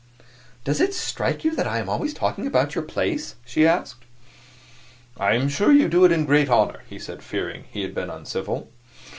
"Does it strike you that I am always talking about your place?" she asked. "I am sure you do it a great honor," he said, fearing he had been uncivil.